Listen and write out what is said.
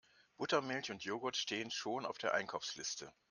Buttermilch und Jogurt stehen schon auf der Einkaufsliste.